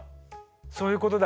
そういうことだ。